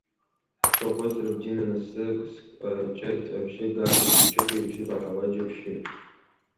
Бшаҟәыҵра бдинаныс, ҵыск аҷыт абжьы гаргьы, Ҷыҷыкәа ибжьы баҳауа џьыбшьоит.